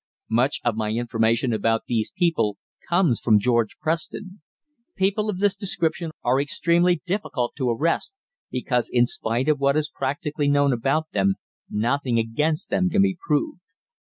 Much of my information about these people comes from George Preston. People of this description are extremely difficult to arrest, because, in spite of what is practically known about them, nothing against them can be proved.